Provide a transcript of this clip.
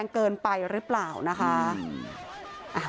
ขอบคุณครับขอบคุณครับ